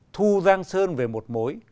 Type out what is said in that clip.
thu giang sơn về một mối